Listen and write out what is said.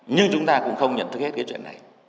nhưng chúng ta cũng không nhận thức hết cái chuyện này